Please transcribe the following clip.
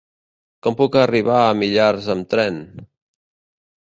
Com puc arribar a Millars amb tren?